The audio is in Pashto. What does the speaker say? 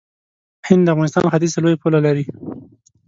هند د افغانستان ختیځ ته لوی پوله لري.